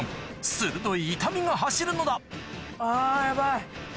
鋭い痛みが走るのだあ！